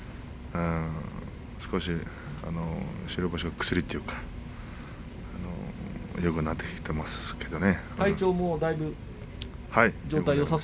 少し、白星が薬というかよくなってきていますけどね。